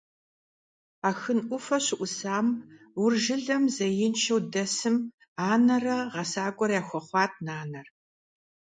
Ахын Ӏуфэ щыӀусам Ур жылэм зеиншэу дэсым анэрэ гъэсакӀуэрэ яхуэхъуат нанэр.